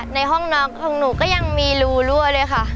ในห้องนอนของหนูก็ยังมีรูรั่วเลยค่ะ